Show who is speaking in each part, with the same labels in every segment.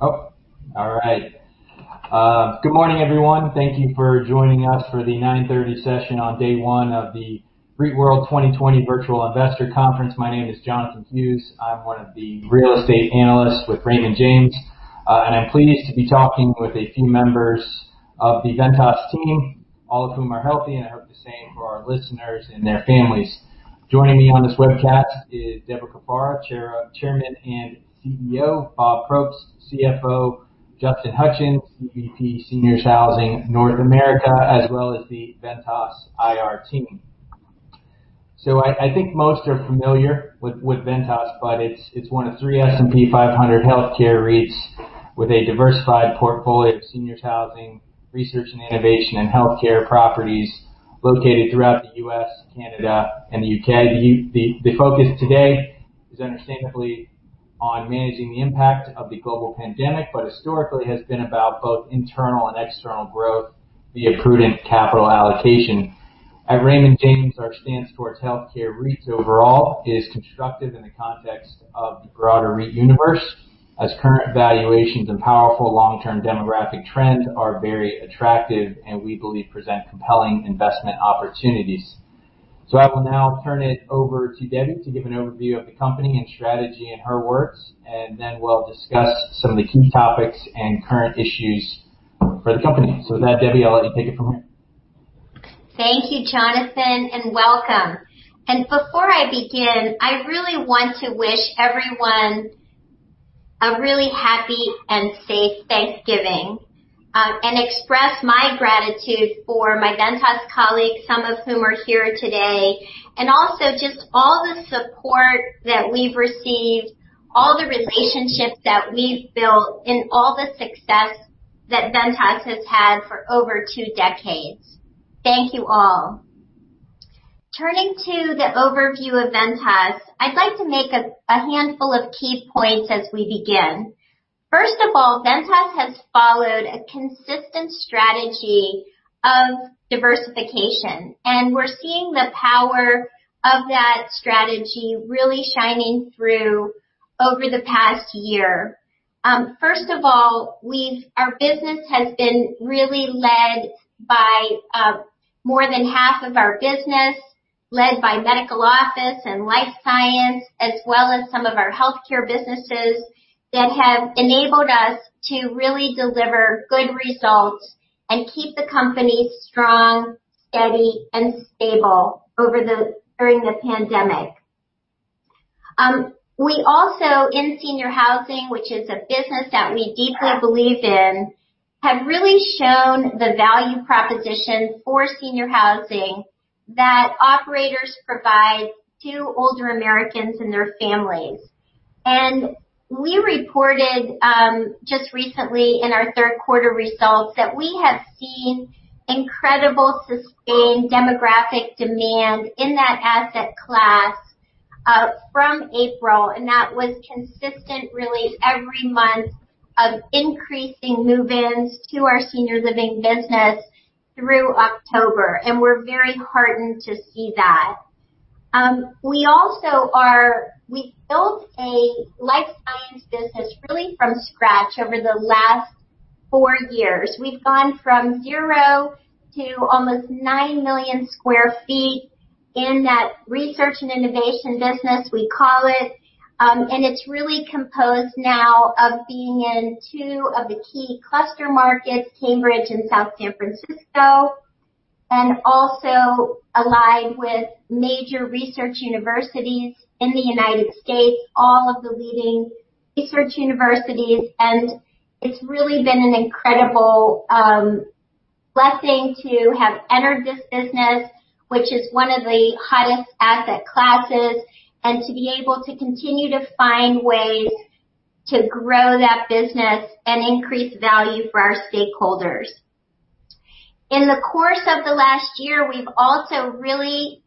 Speaker 1: Oh, all right. Good morning, everyone. Thank you for joining us for the 9:30 A.M. session on day one of the REITworld 2020 Virtual Investor Conference. My name is Jonathan Hughes. I'm one of the real estate analysts with Raymond James, and I'm pleased to be talking with a few members of the Ventas team, all of whom are healthy, and I hope the same for our listeners and their families. Joining me on this webcast is Debra Cafaro, Chairman and CEO, Bob Probst, CFO, Justin Hutchens, VP Seniors Housing North America, as well as the Ventas IR team. So I think most are familiar with Ventas, but it's one of three S&P 500 healthcare REITs with a diversified portfolio of seniors' housing, research and innovation, and healthcare properties located throughout the U.S., Canada, and the U.K. The focus today is, understandably, on managing the impact of the global pandemic, but historically has been about both internal and external growth via prudent capital allocation. At Raymond James, our stance towards healthcare REITs overall is constructive in the context of the broader REIT universe, as current valuations and powerful long-term demographic trends are very attractive and we believe present compelling investment opportunities. So I will now turn it over to Debbie to give an overview of the company and strategy in her words, and then we'll discuss some of the key topics and current issues for the company. So with that, Debbie, I'll let you take it from here.
Speaker 2: Thank you, Jonathan, and welcome, and before I begin, I really want to wish everyone a really happy and safe Thanksgiving and express my gratitude for my Ventas colleagues, some of whom are here today, and also just all the support that we've received, all the relationships that we've built, and all the success that Ventas has had for over two decades. Thank you all. Turning to the overview of Ventas, I'd like to make a handful of key points as we begin. First of all, Ventas has followed a consistent strategy of diversification, and we're seeing the power of that strategy really shining through over the past year. First of all, our business has been really led by more than half of our business, led by medical office and life science, as well as some of our healthcare businesses that have enabled us to really deliver good results and keep the company strong, steady, and stable during the pandemic. We also, in senior housing, which is a business that we deeply believe in, have really shown the value proposition for senior housing that operators provide to older Americans and their families. And we reported just recently in our third quarter results that we have seen incredible sustained demographic demand in that asset class from April, and that was consistent really every month of increasing move-ins to our senior living business through October, and we're very heartened to see that. We also built a life science business really from scratch over the last four years. We've gone from zero to almost 9 million sq ft in that research and innovation business, we call it, and it's really composed now of being in two of the key cluster markets, Cambridge and South San Francisco, and also aligned with major research universities in the United States, all of the leading research universities, and it's really been an incredible blessing to have entered this business, which is one of the hottest asset classes, and to be able to continue to find ways to grow that business and increase value for our stakeholders. In the course of the last year, we've also really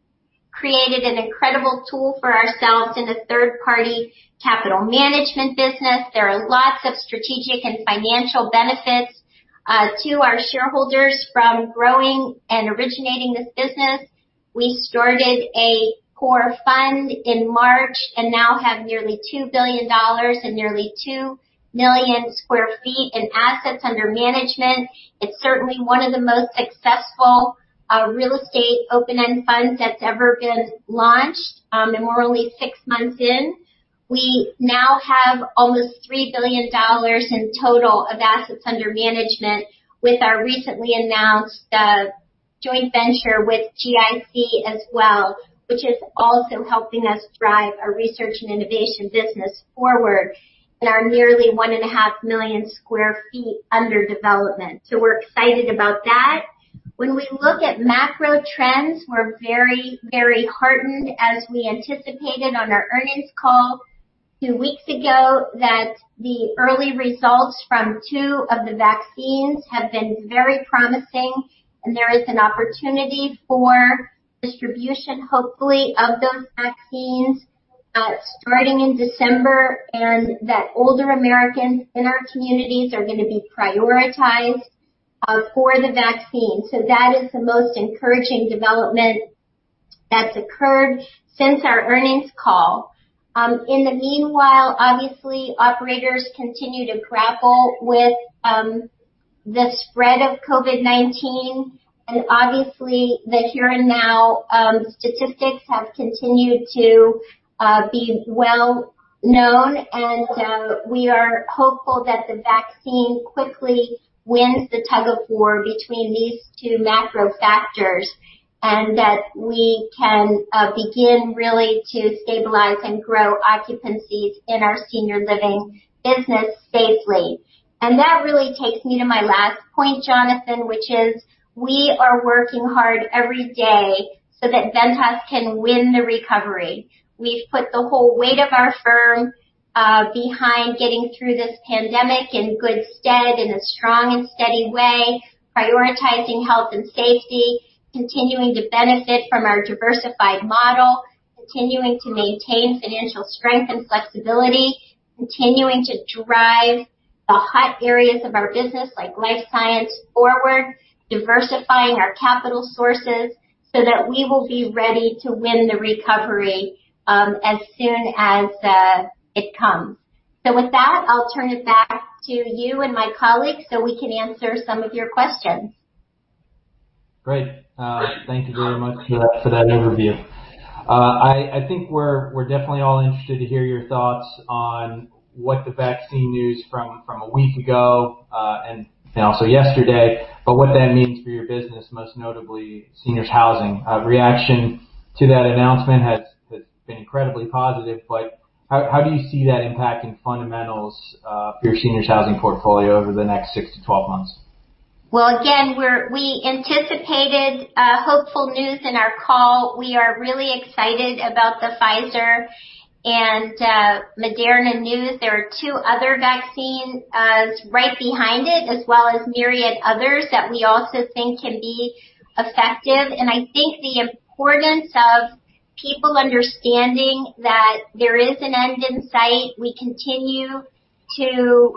Speaker 2: created an incredible tool for ourselves in a third-party capital management business. There are lots of strategic and financial benefits to our shareholders from growing and originating this business. We started a core fund in March and now have nearly $2 billion and nearly 2 million sq ft in assets under management. It's certainly one of the most successful real estate open-end funds that's ever been launched, and we're only six months in. We now have almost $3 billion in total of assets under management with our recently announced joint venture with GIC as well, which is also helping us drive our research and innovation business forward in our nearly 1.5 million sq ft under development, so we're excited about that. When we look at macro trends, we're very, very heartened, as we anticipated on our earnings call two weeks ago, that the early results from two of the vaccines have been very promising, and there is an opportunity for distribution, hopefully, of those vaccines starting in December, and that older Americans in our communities are going to be prioritized for the vaccine. So that is the most encouraging development that's occurred since our earnings call. In the meanwhile, obviously, operators continue to grapple with the spread of COVID-19, and obviously, the here and now statistics have continued to be well known, and we are hopeful that the vaccine quickly wins the tug-of-war between these two macro factors and that we can begin really to stabilize and grow occupancies in our senior living business safely. And that really takes me to my last point, Jonathan, which is we are working hard every day so that Ventas can win the recovery. We've put the whole weight of our firm behind getting through this pandemic in good stead, in a strong and steady way, prioritizing health and safety, continuing to benefit from our diversified model, continuing to maintain financial strength and flexibility, continuing to drive the hot areas of our business, like life science, forward, diversifying our capital sources so that we will be ready to win the recovery as soon as it comes. So with that, I'll turn it back to you and my colleagues so we can answer some of your questions.
Speaker 1: Great. Thank you very much for that overview. I think we're definitely all interested to hear your thoughts on what the vaccine news from a week ago and also yesterday, but what that means for your business, most notably seniors' housing. Reaction to that announcement has been incredibly positive, but how do you see that impacting fundamentals for your seniors' housing portfolio over the next six to 12 months?
Speaker 2: Again, we anticipated hopeful news in our call. We are really excited about the Pfizer and Moderna news. There are two other vaccines right behind it, as well as myriad others that we also think can be effective. I think the importance of people understanding that there is an end in sight. We continue to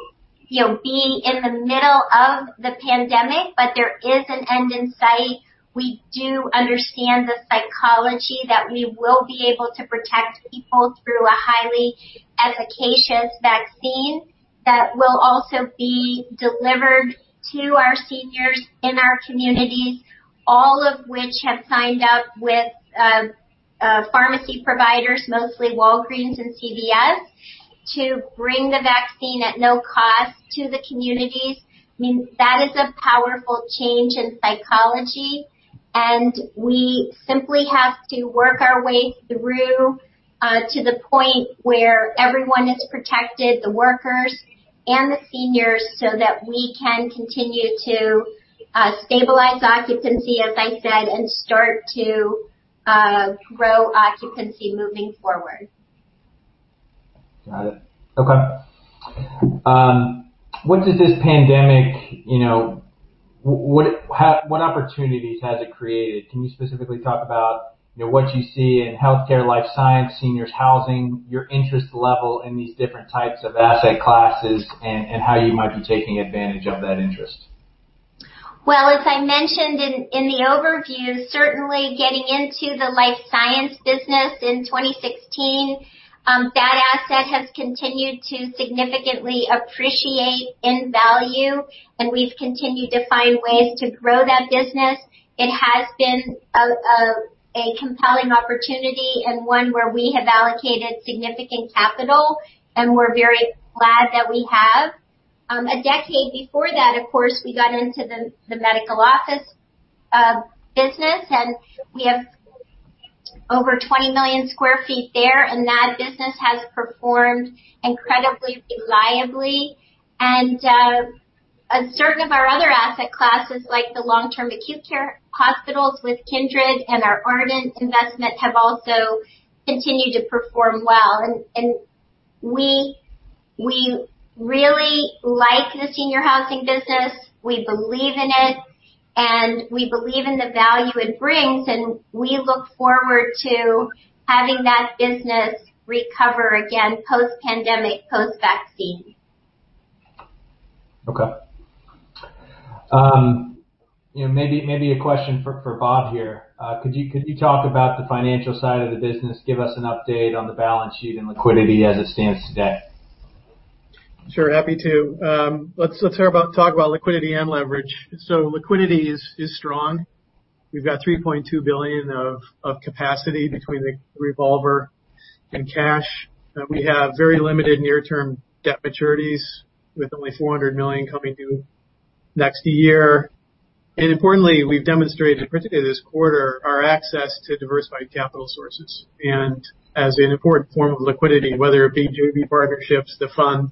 Speaker 2: be in the middle of the pandemic, but there is an end in sight. We do understand the psychology that we will be able to protect people through a highly efficacious vaccine that will also be delivered to our seniors in our communities, all of which have signed up with pharmacy providers, mostly Walgreens and CVS, to bring the vaccine at no cost to the communities. I mean, that is a powerful change in psychology, and we simply have to work our way through to the point where everyone is protected, the workers and the seniors, so that we can continue to stabilize occupancy, as I said, and start to grow occupancy moving forward.
Speaker 1: Got it. Okay. What does this pandemic—what opportunities has it created? Can you specifically talk about what you see in healthcare, life science, seniors' housing, your interest level in these different types of asset classes, and how you might be taking advantage of that interest?
Speaker 2: As I mentioned in the overview, certainly getting into the life science business in 2016, that asset has continued to significantly appreciate in value, and we've continued to find ways to grow that business. It has been a compelling opportunity and one where we have allocated significant capital, and we're very glad that we have. A decade before that, of course, we got into the medical office business, and we have over 20 million sq ft there, and that business has performed incredibly reliably. Certain of our other asset classes, like the long-term acute care hospitals with Kindred and our Ardent investment, have also continued to perform well. We really like the senior housing business. We believe in it, and we believe in the value it brings, and we look forward to having that business recover again post-pandemic, post-vaccine.
Speaker 1: Okay. Maybe a question for Bob here. Could you talk about the financial side of the business? Give us an update on the balance sheet and liquidity as it stands today.
Speaker 3: Sure. Happy to. Let's talk about liquidity and leverage. So liquidity is strong. We've got $3.2 billion of capacity between the revolver and cash. We have very limited near-term debt maturities with only $400 million coming due next year. And importantly, we've demonstrated particularly this quarter our access to diversified capital sources. And as an important form of liquidity, whether it be JV partnerships, the fund,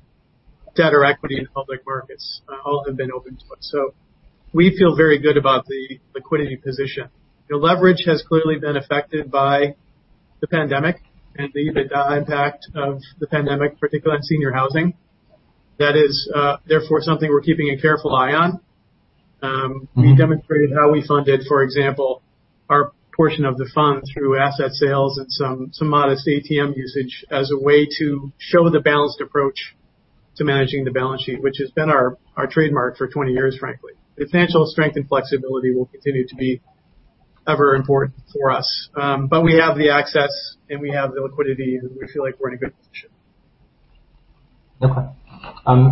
Speaker 3: debt or equity, and public markets, all have been open to us. So we feel very good about the liquidity position. Leverage has clearly been affected by the pandemic and the impact of the pandemic, particularly on senior housing. That is, therefore, something we're keeping a careful eye on. We demonstrated how we funded, for example, our portion of the fund through asset sales and some modest ATM usage as a way to show the balanced approach to managing the balance sheet, which has been our trademark for 20 years, frankly. The financial strength and flexibility will continue to be ever important for us. But we have the access, and we have the liquidity, and we feel like we're in a good position.
Speaker 1: Okay.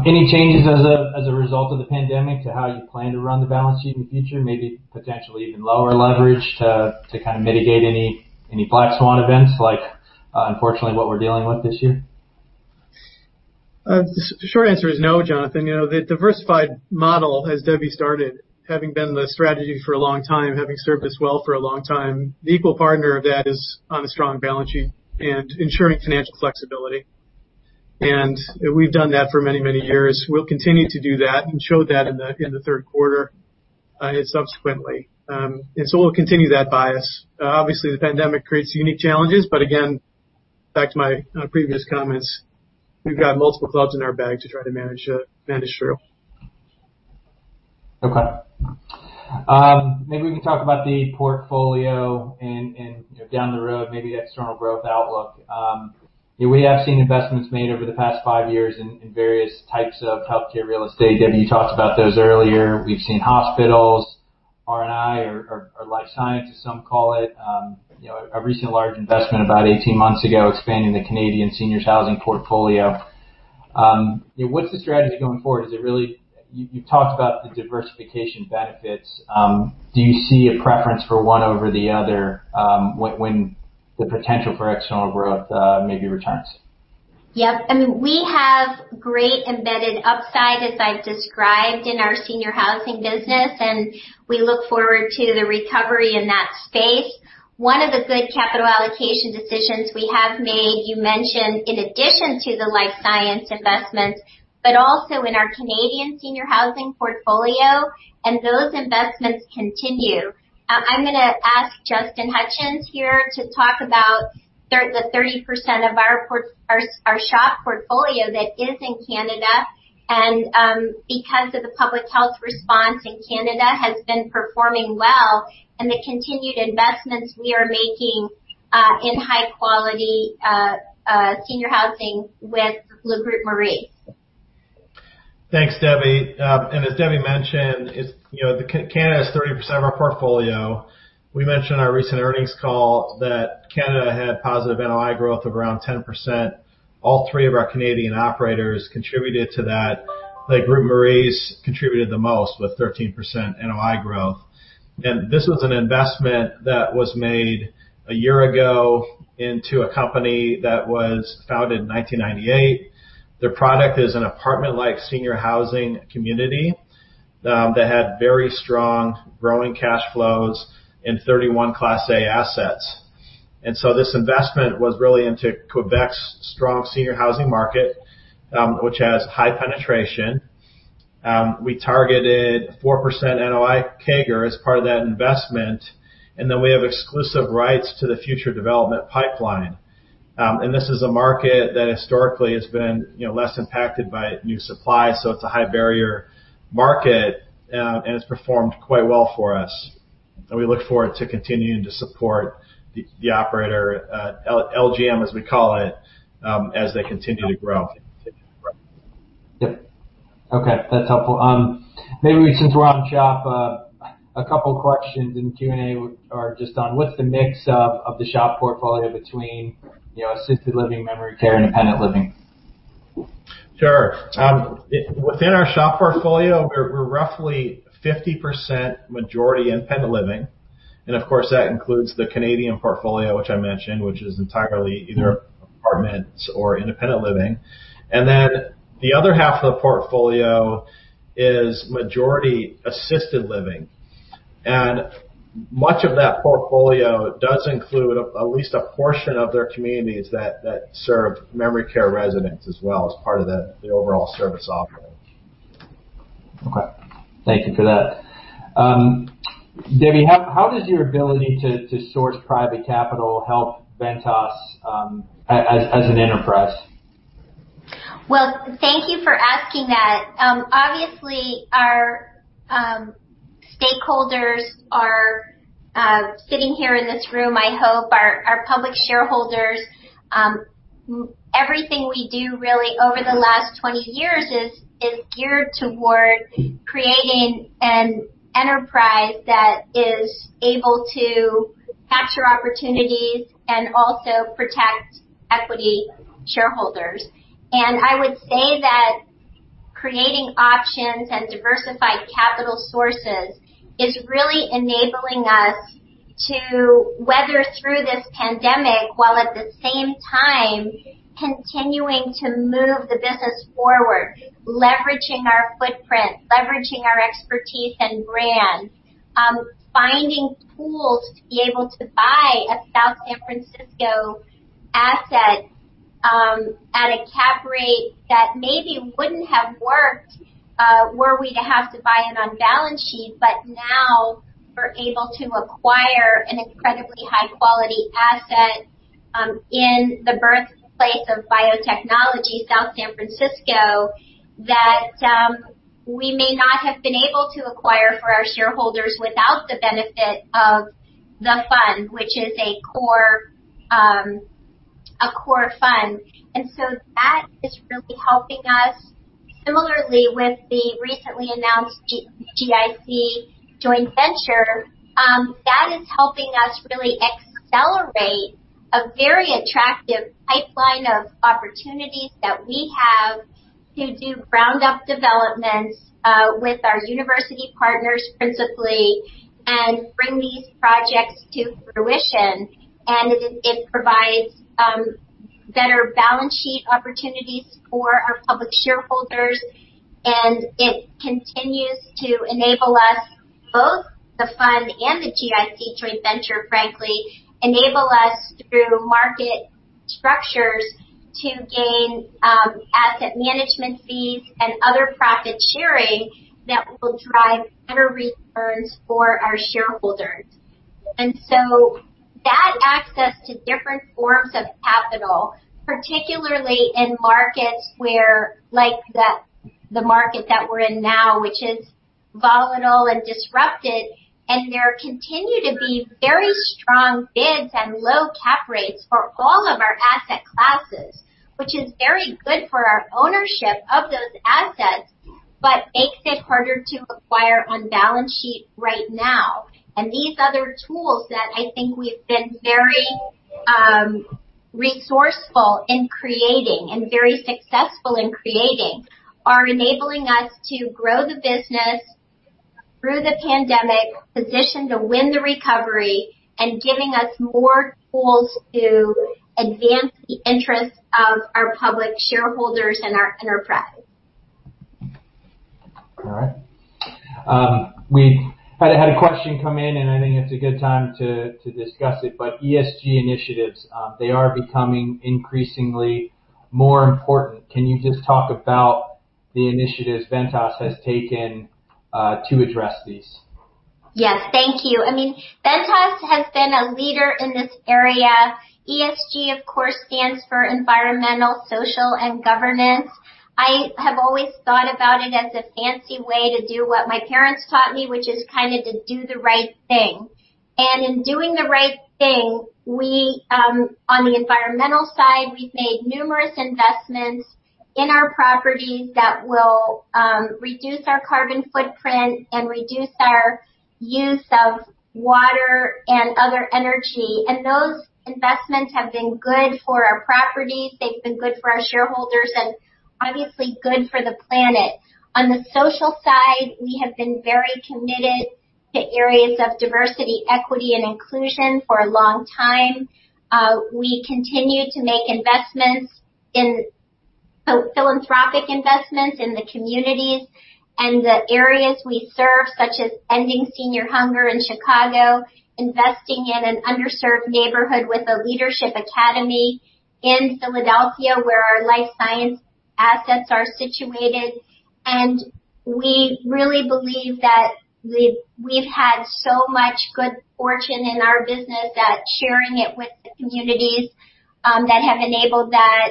Speaker 1: Any changes as a result of the pandemic to how you plan to run the balance sheet in the future, maybe potentially even lower leverage to kind of mitigate any black swan events like, unfortunately, what we're dealing with this year?
Speaker 3: The short answer is no, Jonathan. The diversified model, as Debbie started, having been the strategy for a long time, having served us well for a long time, the equal partner of that is on a strong balance sheet and ensuring financial flexibility. And we've done that for many, many years. We'll continue to do that and show that in the third quarter and subsequently. And so we'll continue that bias. Obviously, the pandemic creates unique challenges, but again, back to my previous comments, we've got multiple clubs in our bag to try to manage through.
Speaker 1: Okay. Maybe we can talk about the portfolio and down the road, maybe external growth outlook. We have seen investments made over the past five years in various types of healthcare real estate. Debbie, you talked about those earlier. We've seen hospitals, R&I, or life science, as some call it. A recent large investment about 18 months ago expanding the Canadian seniors' housing portfolio. What's the strategy going forward? You've talked about the diversification benefits. Do you see a preference for one over the other when the potential for external growth maybe returns?
Speaker 2: Yep. I mean, we have great embedded upside, as I've described, in our senior housing business, and we look forward to the recovery in that space. One of the good capital allocation decisions we have made, you mentioned, in addition to the life science investments, but also in our Canadian senior housing portfolio, and those investments continue. I'm going to ask Justin Hutchens here to talk about the 30% of our SHOP portfolio that is in Canada and because of the public health response in Canada has been performing well and the continued investments we are making in high-quality senior housing with Le Groupe Maurice.
Speaker 3: Thanks, Debbie. And as Debbie mentioned, Canada is 30% of our portfolio. We mentioned on our recent earnings call that Canada had positive NOI growth of around 10%. All three of our Canadian operators contributed to that. Le Groupe Maurice contributed the most with 13% NOI growth. And this was an investment that was made a year ago into a company that was founded in 1998. Their product is an apartment-like senior housing community that had very strong growing cash flows and 31 Class A assets. And so this investment was really into Quebec's strong senior housing market, which has high penetration. We targeted 4% NOI CAGR as part of that investment, and then we have exclusive rights to the future development pipeline. And this is a market that historically has been less impacted by new supply, so it's a high-barrier market, and it's performed quite well for us. We look forward to continuing to support the operator, LGM, as we call it, as they continue to grow.
Speaker 1: Yep. Okay. That's helpful. Maybe since we're on SHOP, a couple of questions in the Q&A are just on what's the mix of the SHOP portfolio between assisted living, memory care, and independent living?
Speaker 3: Sure. Within our SHOP portfolio, we're roughly 50% majority independent living. And of course, that includes the Canadian portfolio, which I mentioned, which is entirely either apartments or independent living. And then the other half of the portfolio is majority assisted living. And much of that portfolio does include at least a portion of their communities that serve memory care residents as well as part of the overall service offering.
Speaker 1: Okay. Thank you for that. Debbie, how does your ability to source private capital help Ventas as an enterprise?
Speaker 2: Thank you for asking that. Obviously, our stakeholders are sitting here in this room, I hope, our public shareholders. Everything we do really over the last 20 years is geared toward creating an enterprise that is able to capture opportunities and also protect equity shareholders. I would say that creating options and diversified capital sources is really enabling us to weather through this pandemic while at the same time continuing to move the business forward, leveraging our footprint, leveraging our expertise and brand, funding pools to be able to buy a South San Francisco asset at a cap rate that maybe wouldn't have worked were we to have to buy it on balance sheet, but now we're able to acquire an incredibly high-quality asset in the birthplace of biotechnology, South San Francisco, that we may not have been able to acquire for our shareholders without the benefit of the fund, which is a core fund. And so that is really helping us. Similarly, with the recently announced GIC joint venture, that is helping us really accelerate a very attractive pipeline of opportunities that we have to do ground-up developments with our university partners principally and bring these projects to fruition. And it provides better balance sheet opportunities for our public shareholders, and it continues to enable us, both the fund and the GIC joint venture, frankly, enable us through market structures to gain asset management fees and other profit sharing that will drive better returns for our shareholders. And so that access to different forms of capital, particularly in markets like the market that we're in now, which is volatile and disrupted, and there continue to be very strong bids and low cap rates for all of our asset classes, which is very good for our ownership of those assets, but makes it harder to acquire on balance sheet right now. These other tools that I think we've been very resourceful in creating and very successful in creating are enabling us to grow the business through the pandemic, positioned to win the recovery, and giving us more tools to advance the interests of our public shareholders and our enterprise.
Speaker 1: All right. We had a question come in, and I think it's a good time to discuss it, but ESG initiatives, they are becoming increasingly more important. Can you just talk about the initiatives Ventas has taken to address these?
Speaker 2: Yes. Thank you. I mean, Ventas has been a leader in this area. ESG, of course, stands for environmental, social, and governance. I have always thought about it as a fancy way to do what my parents taught me, which is kind of to do the right thing. And in doing the right thing, on the environmental side, we've made numerous investments in our properties that will reduce our carbon footprint and reduce our use of water and other energy. And those investments have been good for our properties. They've been good for our shareholders and obviously good for the planet. On the social side, we have been very committed to areas of diversity, equity, and inclusion for a long time. We continue to make philanthropic investments in the communities and the areas we serve, such as ending senior hunger in Chicago, investing in an underserved neighborhood with a leadership academy in Philadelphia where our life science assets are situated, and we really believe that we've had so much good fortune in our business that sharing it with the communities that have enabled that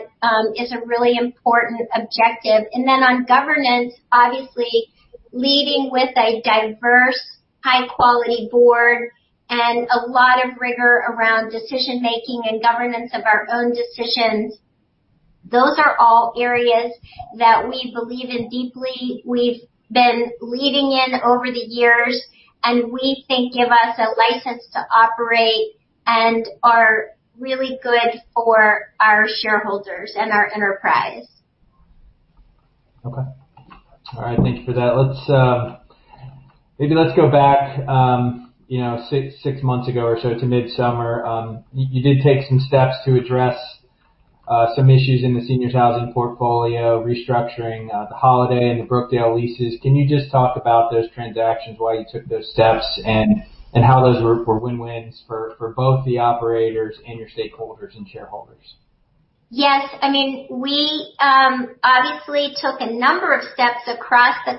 Speaker 2: is a really important objective, and then on governance, obviously, leading with a diverse, high-quality board and a lot of rigor around decision-making and governance of our own decisions, those are all areas that we believe in deeply. We've been leading in over the years, and we think give us a license to operate and are really good for our shareholders and our enterprise.
Speaker 1: Okay. All right. Thank you for that. Maybe let's go back six months ago or so to mid-summer. You did take some steps to address some issues in the seniors' housing portfolio, restructuring the Holiday and the Brookdale leases. Can you just talk about those transactions, why you took those steps, and how those were win-wins for both the operators and your stakeholders and shareholders?
Speaker 2: Yes. I mean, we obviously took a number of steps across the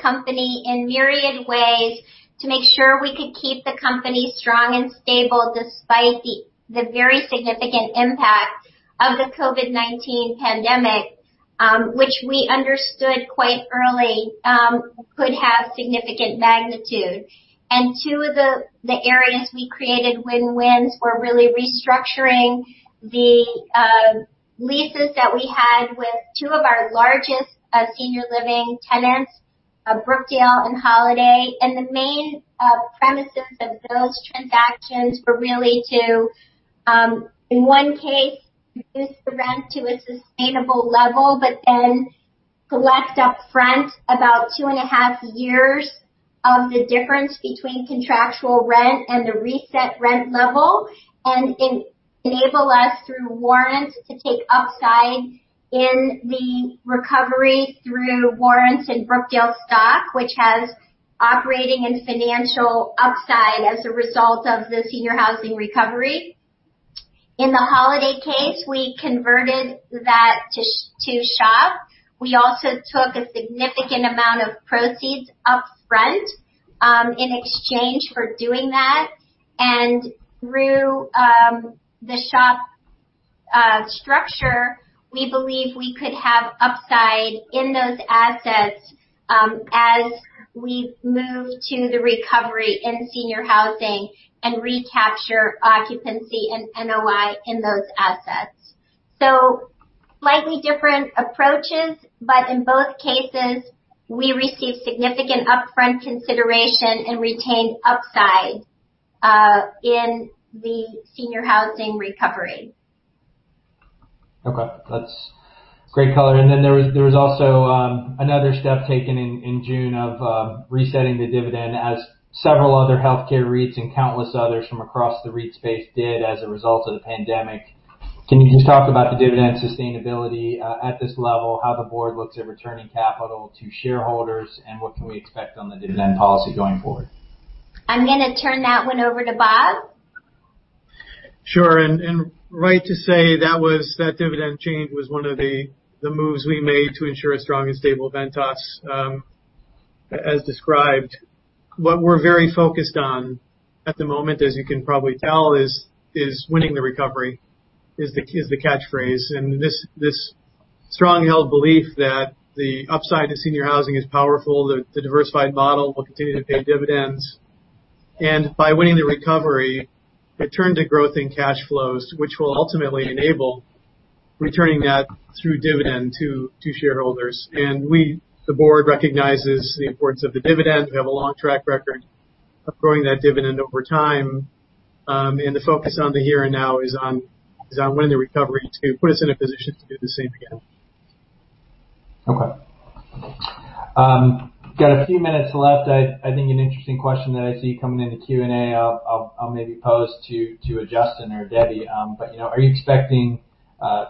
Speaker 2: company in myriad ways to make sure we could keep the company strong and stable despite the very significant impact of the COVID-19 pandemic, which we understood quite early could have significant magnitude, and two of the areas we created win-wins were really restructuring the leases that we had with two of our largest senior living tenants, Brookdale and Holiday, and the main premises of those transactions were really to, in one case, reduce the rent to a sustainable level, but then collect upfront about two and a half years of the difference between contractual rent and the reset rent level and enable us through warrant to take upside in the recovery through warrants in Brookdale stock, which has operating and financial upside as a result of the senior housing recovery. In the Holiday case, we converted that to SHOP. We also took a significant amount of proceeds upfront in exchange for doing that, and through the SHOP structure, we believe we could have upside in those assets as we move to the recovery in senior housing and recapture occupancy and NOI in those assets, so slightly different approaches, but in both cases, we received significant upfront consideration and retained upside in the senior housing recovery.
Speaker 1: Okay. That's great color, and then there was also another step taken in June of resetting the dividend, as several other healthcare REITs and countless others from across the REIT space did as a result of the pandemic. Can you just talk about the dividend sustainability at this level, how the board looks at returning capital to shareholders, and what can we expect on the dividend policy going forward?
Speaker 2: I'm going to turn that one over to Bob.
Speaker 3: Sure. And you're right to say that dividend change was one of the moves we made to ensure a strong and stable Ventas, as described. What we're very focused on at the moment, as you can probably tell, is winning the recovery, which is the catchphrase. And this strongly held belief that the upside to senior housing is powerful, the diversified model will continue to pay dividends. And by winning the recovery, it turns to growth in cash flows, which will ultimately enable returning that through the dividend to shareholders. And the board recognizes the importance of the dividend. We have a long track record of growing that dividend over time. And the focus on the here and now is on winning the recovery to put us in a position to do the same again.
Speaker 1: Okay. Got a few minutes left. I think an interesting question that I see coming in the Q&A, I'll maybe pose to Justin or Debbie. But are you expecting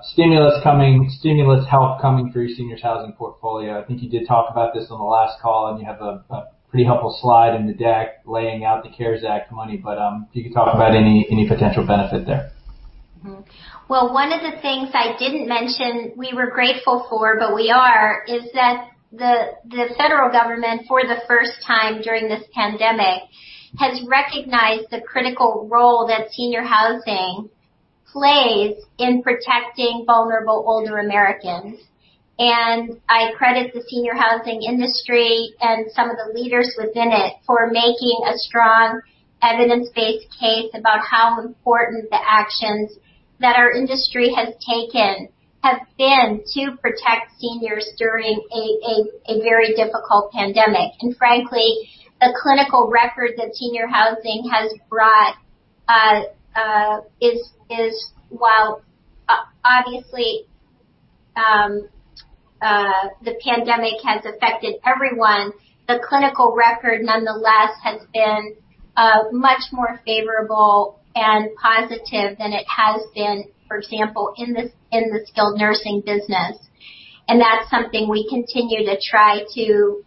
Speaker 1: stimulus help coming for your seniors' housing portfolio? I think you did talk about this on the last call, and you have a pretty helpful slide in the deck laying out the CARES Act money. But if you could talk about any potential benefit there.
Speaker 2: One of the things I didn't mention we were grateful for, but we are, is that the federal government, for the first time during this pandemic, has recognized the critical role that senior housing plays in protecting vulnerable older Americans. I credit the senior housing industry and some of the leaders within it for making a strong evidence-based case about how important the actions that our industry has taken have been to protect seniors during a very difficult pandemic. Frankly, the clinical record that senior housing has brought is, while obviously the pandemic has affected everyone, the clinical record nonetheless has been much more favorable and positive than it has been, for example, in the skilled nursing business. That's something we continue to try to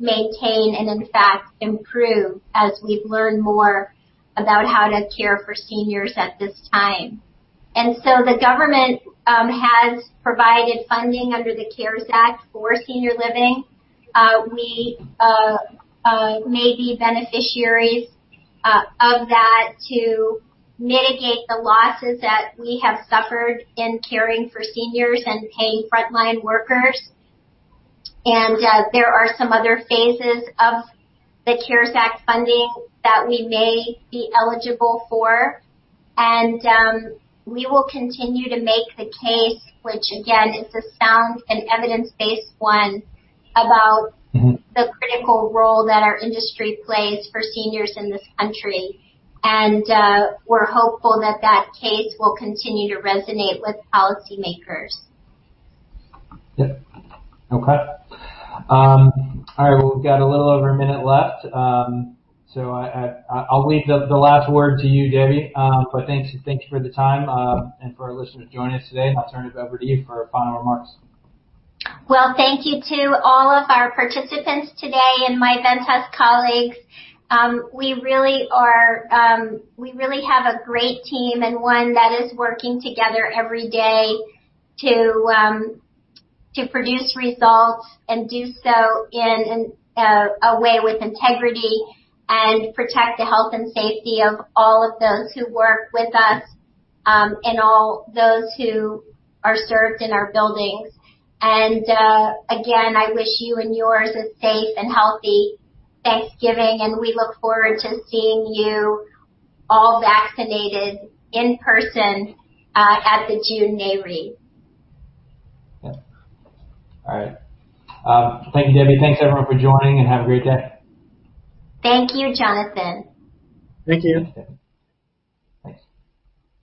Speaker 2: maintain and, in fact, improve as we've learned more about how to care for seniors at this time. And so the government has provided funding under the CARES Act for senior living. We may be beneficiaries of that to mitigate the losses that we have suffered in caring for seniors and paying frontline workers. And there are some other phases of the CARES Act funding that we may be eligible for. And we will continue to make the case, which again is a sound and evidence-based one about the critical role that our industry plays for seniors in this country. And we're hopeful that that case will continue to resonate with policymakers.
Speaker 1: Yep. Okay. All right. Well, we've got a little over a minute left, so I'll leave the last word to you, Debbie, but thanks for the time and for our listeners joining us today, and I'll turn it over to you for final remarks.
Speaker 2: Thank you to all of our participants today and my Ventas colleagues. We really have a great team and one that is working together every day to produce results and do so in a way with integrity and protect the health and safety of all of those who work with us and all those who are served in our buildings. Again, I wish you and yours a safe and healthy Thanksgiving. We look forward to seeing you all vaccinated in person at the June Nareit.
Speaker 1: Yep. All right. Thank you, Debbie. Thanks, everyone, for joining, and have a great day.
Speaker 2: Thank you, Jonathan.
Speaker 3: Thank you.
Speaker 1: Thanks.